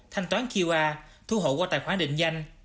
thanh toán qr thu hộ qua tài khoản định danh